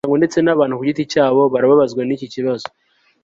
Imiryango ndetse nabantu ku giti cyabo barabazwa iki kibazo